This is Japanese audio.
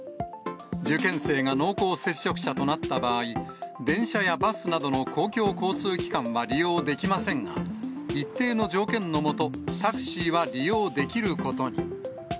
受験生が濃厚接触者となった場合、電車やバスなどの公共交通機関は利用できませんが、一定の条件の下、タクシーは利用できることに。